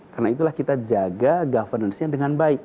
karena itulah kita jaga governance nya dengan baik